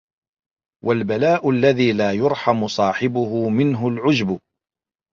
وَالْبَلَاءُ الَّذِي لَا يُرْحَمُ صَاحِبُهُ مِنْهُ الْعُجْبُ